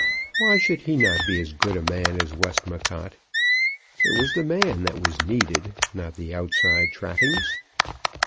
Why should he not be as good a man as Westmacott? It was the man that was needed, not the outside trappings.